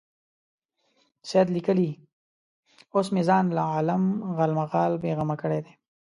سید لیکي اوس مې ځان له عالم غالمغال بېغمه کړی دی.